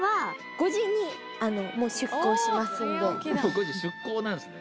５時出港なんすね。